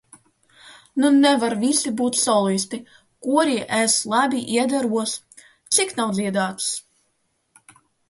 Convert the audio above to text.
Nu nevar visi būt solisti, korī es labi iederos, cik nav dziedāts.